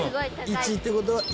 １ってことは「イ」。